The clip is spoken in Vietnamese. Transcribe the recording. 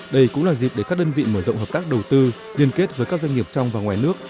đây cũng là dịp để các đơn vị mở rộng hợp tác đầu tư liên kết với các doanh nghiệp trong và ngoài nước